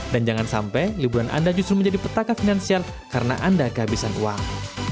dan jangan sampai liburan anda justru menjadi petaka finansial karena anda kehabisan uang